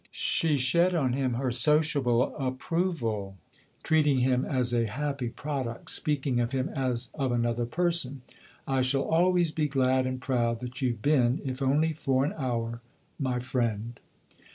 She shed on him her sociable approval, treating him as a happy product, speaking of him as of another person. " I shall always be glad and proud that you've been, if only for an hour, my friend